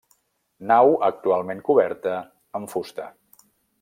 Nau actualment coberta amb fusta.